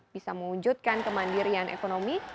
bisa mengunjutkan kemandirian efektif